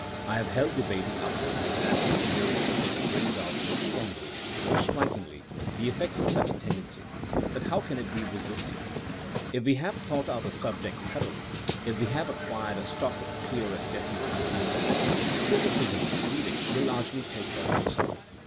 I have held debating up as an example merely because it brings out more strongly, more strikingly, the effects of such a tendency. But how can it be resisted ? If we have thought out a subject thoroughly, if we have acquired a stock of clear and definite ideas on it, criticism in reading will largely take care of itself.